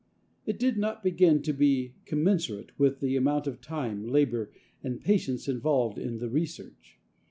It did not begin to be commensurate with the amount of time, labor and patience involved in the research.